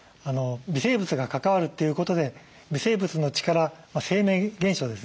微生物が関わるということで微生物の力生命現象ですね。